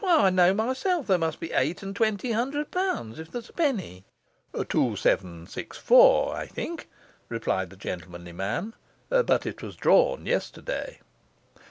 'Why, I know myself there must be eight and twenty hundred pounds, if there's a penny.' 'Two seven six four, I think,' replied the gentlemanly man; 'but it was drawn yesterday.